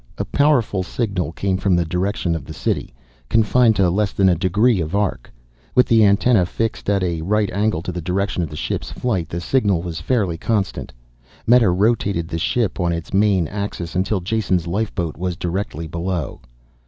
A powerful signal came from the direction of the city, confined to less than a degree of arc. With the antenna fixed at a right angle to the direction of the ship's flight, the signal was fairly constant. Meta rotated the ship on its main axis, until Jason's lifeboat was directly below.